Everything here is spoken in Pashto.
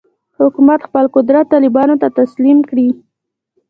حکومت خپل قدرت طالبانو ته تسلیم کړي.